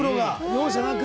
容赦なく。